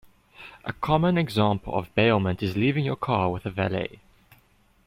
A common example of bailment is leaving your car with a valet.